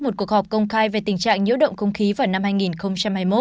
một cuộc họp công khai về tình trạng nhỡ động không khí vào năm hai nghìn hai mươi